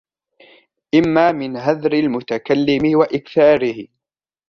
إمَّا مِنْ هَذْرِ الْمُتَكَلِّمِ وَإِكْثَارِهِ